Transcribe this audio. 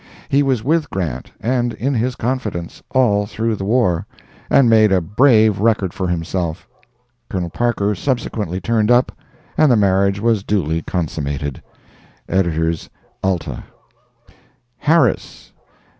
He was with Grant, and in his confidence, all through the war, and made a brave record for himself. [Col. Parker subsequently turned up, and the marriage was duly consummated.—EDS. ALTA.] Harris.